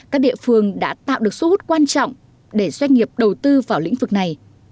các địa phương đã tạo được xu hút quan trọng để doanh nghiệp đầu tư vào lĩnh vực này